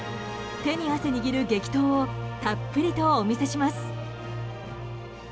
手に汗握る激闘をたっぷりとお見せします。